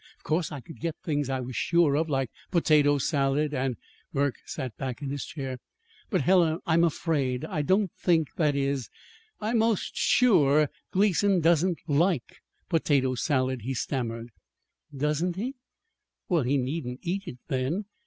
Of course I could get things I was sure of, like potato salad and " Burke sat back in his chair. "But, Helen, I'm afraid I don't think that is, I'm 'most sure Gleason doesn't like potato salad," he stammered. "Doesn't he? Well, he needn't eat it, then.